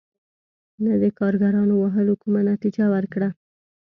نه د کارګرانو وهلو کومه نتیجه ورکړه.